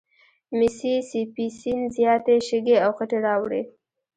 میسي سي پي سیند زیاتي شګې او خټې راوړي.